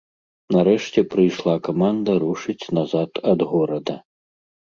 Нарэшце прыйшла каманда рушыць назад ад горада.